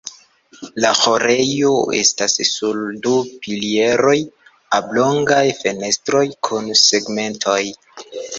La ĥorejo estas sur du pilieroj, oblongaj fenestroj kun segmentoj.